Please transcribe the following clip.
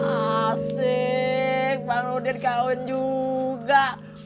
asik pak ludin kawan juga